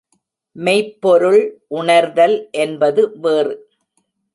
மெய்ப்பொருள் உணர்தல் என்பது வேறு.